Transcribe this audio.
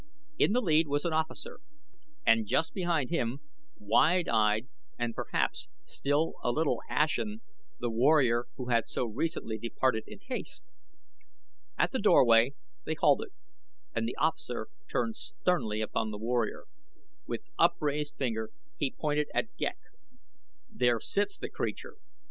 In the lead was an officer, and just behind him, wide eyed and perhaps still a little ashen, the warrior who had so recently departed in haste. At the doorway they halted and the officer turned sternly upon the warrior. With upraised finger he pointed at Ghek. "There sits the creature!